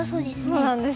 そうなんですよ。